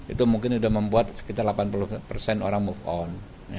itu mungkin sudah membuat sekitar delapan puluh persen orang move on